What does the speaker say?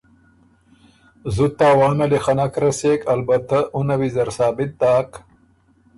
زُت تاوانه لې خه نک رسېک، البتۀ آ نه ویزر ثابت داک